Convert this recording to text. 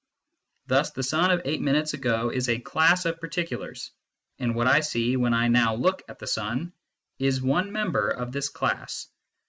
Thus the sun of eight minutes ago is a class of particulars, and what I see when I now look at the sun is one member of this class.